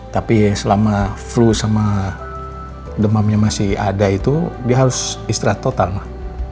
tapi selama flu sama demamnya masih ada itu dia harus istirahat total lah